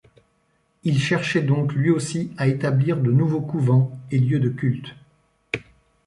Il cherchait donc lui aussi à établir de nouveaux couvents et lieux de culte.